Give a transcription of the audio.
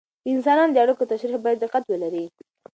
د انسانانو د اړیکو تشریح باید دقت ولري.